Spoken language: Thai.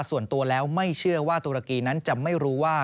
ส่วนตัวแล้วไม่เชื่อว่าตุรกีนั้นจะไม่รู้ว่า